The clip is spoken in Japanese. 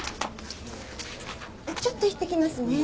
ちょっといってきますね。